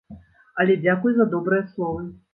Але дзякуй за добрыя словы!